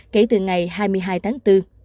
kể từ ngày hai mươi hai tháng bốn